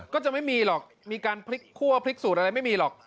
ก็จะไม่มีหรอกมีการพลิกคั่วพริกสูตรอะไรไม่มีหรอก